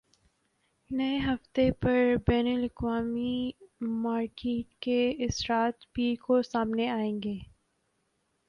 نئے ہفتے پر بین الاقوامی مارکیٹ کے اثرات پیر کو سامنے آئیں گے